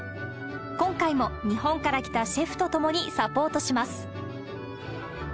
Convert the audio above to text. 今回も日本から来たシェフと共にサポートします。